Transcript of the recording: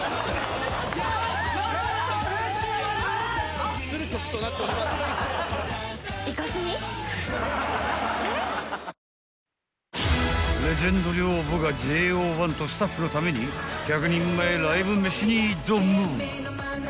あなたも［レジェンド寮母がＪＯ１とスタッフのために１００人前ライブ飯に挑む］